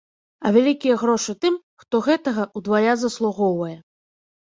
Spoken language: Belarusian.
А вялікія грошы тым, хто гэтага ўдвая заслугоўвае.